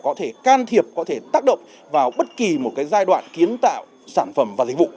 có thể can thiệp có thể tác động vào bất kỳ một giai đoạn kiến tạo sản phẩm và dịch vụ